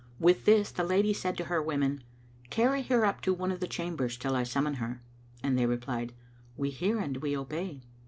With this, the Lady said to her women, "Carry her up to one of the chambers, till I summon her"; and they replied, "We hear and we obey."